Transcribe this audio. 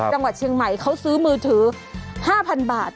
จังหวัดเชียงใหม่เขาซื้อมือถือ๕๐๐๐บาท